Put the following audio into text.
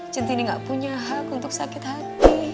centini gak punya hak untuk sakit hati